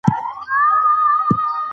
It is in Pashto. پښنونخوا يو ايالت دى